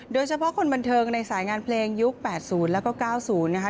โดยเฉพาะคนบันเทิงในสายงานเพลงยุค๘๐แล้วก็๙๐นะคะ